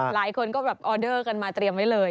หลายคนก็แบบออเดอร์กันมาเตรียมไว้เลย